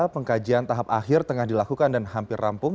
pengkajian tahap akhir tengah dilakukan dan hampir rampung